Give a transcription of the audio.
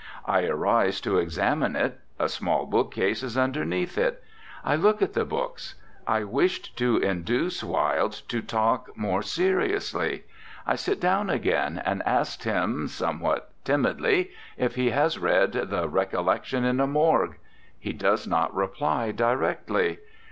I arise to examine it; a small bookcase is underneath it; I look at the books. I wished to induce Wilde to talk more 52 ANDRE GIDE seriously. I sit down again, and ask him, somewhat timidly, if he has read the "Recollections in a Morgue." He does not reply directly.